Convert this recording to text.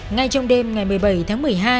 ngay trong đêm ngày một mươi bảy tháng một mươi hai